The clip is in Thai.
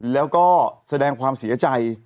แล้วก็แสดงความเสียใจ